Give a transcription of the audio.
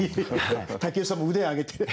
武井さんも腕上げてる。